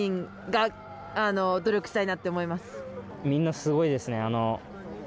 みんなすごいです。